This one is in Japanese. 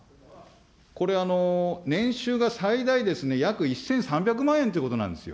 これ、年収が最大約１３００万円ということなんですよ。